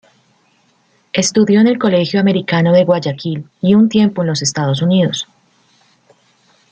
Estudió en el Colegio Americano de Guayaquil y un tiempo en los Estados Unidos.